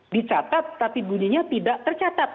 dicatat tapi bunyinya tidak tercatat